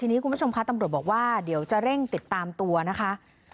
ทีนี้คุณผู้ชมคะตำรวจบอกว่าเดี๋ยวจะเร่งติดตามตัวนะคะ